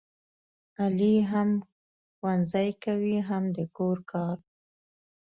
علي هم ښوونځی کوي هم د کور کار.